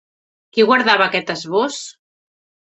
Qui guardava aquest esbós?